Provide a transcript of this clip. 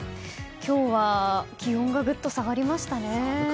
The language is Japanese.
今日は気温がグッと下がりましたね。